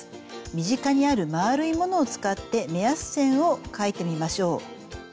身近にある丸いものを使って目安線を描いてみましょう。